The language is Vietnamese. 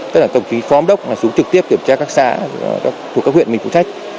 tức là tổng chí phóng đốc xuống trực tiếp kiểm tra các xã thuộc các huyện mình phụ trách